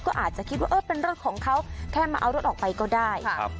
ก็อาจจะคิดว่าเออเป็นรถของเขาแค่มาเอารถออกไปก็ได้ครับ